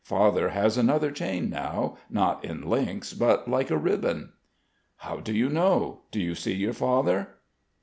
Father has another chain now, not in links, but like a ribbon...." "How do you know? Do you see your father?"